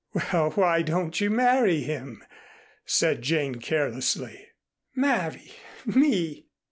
"Well, why don't you marry him?" said Jane carelessly. "Marry! Me!"